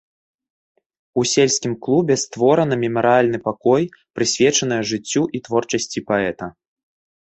У сельскім клубе створана мемарыяльны пакой, прысвечаная жыццю і творчасці паэта.